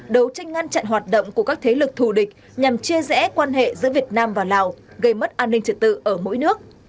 đấu tranh ngăn chặn hoạt động của các thế lực thù địch nhằm chia rẽ quan hệ giữa việt nam và lào gây mất an ninh trật tự ở mỗi nước